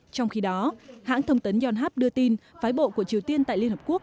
trong khi đó hãng thông tấn yonhap đưa tin phái bộ của triều tiên tại liên hợp quốc